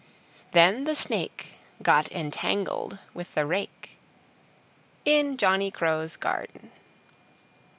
Then the Snake Got entangled with the rake In Johnny Crow's Garden.